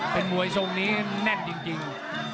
เป็นมวยทรงนี้แน่นจริง